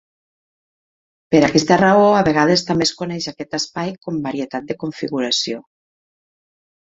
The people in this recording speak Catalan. Per aquesta raó a vegades també es coneix a aquest espai com varietat de configuració.